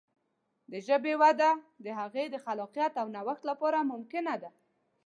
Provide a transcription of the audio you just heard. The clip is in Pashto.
د ژبې وده د هغې د خلاقیت او نوښت له لارې ممکنه ده.